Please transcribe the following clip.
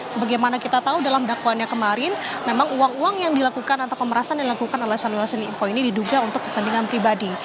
sebagaimana kita tahu dalam dakwaannya kemarin memang uang uang yang dilakukan atau pemerasan dilakukan oleh syahrul yassin limpo ini diduga untuk kepentingan pribadi